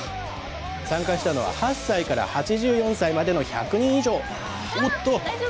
参加したのは８歳から８４歳までの１００人以上。